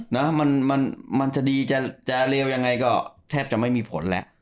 นะมันมันจะดีจะเลวยังไงก็แทบจะไม่มีผลแล้ว